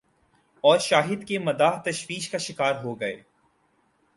اور شاہد کے مداح تشویش کا شکار ہوگئے۔